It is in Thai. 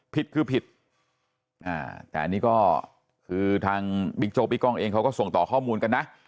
ผิดคือผิดแต่อันนี้ก็คือทางบิ๊กโจ๊กบิ๊กกล้องเองเขาก็ส่งต่อข้อมูลกันนะ